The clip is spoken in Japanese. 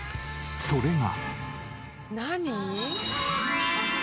それが。